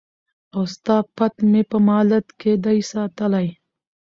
او ستا پت مي په مالت کي دی ساتلی